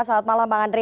selamat malam bang andre